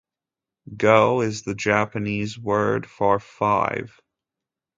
Go is the Japanese word for "five".